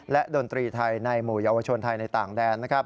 และดนตรีไทยในหมู่ยาวชนไทยในต่างแดน